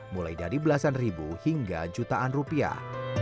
mulai dari belasan ribu hingga jutaan rupiah